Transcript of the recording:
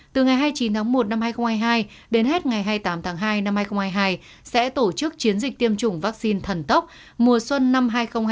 từ ngày hai mươi chín tháng một năm hai nghìn hai mươi hai đến hết ngày hai mươi tám tháng hai năm hai nghìn hai mươi hai sẽ tổ chức chiến dịch tiêm chủng vaccine thần tốc mùa xuân năm hai nghìn hai mươi bốn